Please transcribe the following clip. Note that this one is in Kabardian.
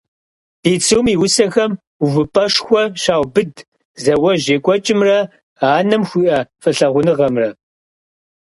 Бицум и усэхэм увыпӀэшхуэ щаубыд зауэжь екӀуэкӀамрэ анэм хуиӀэ фӀылъагъуныгъэмрэ.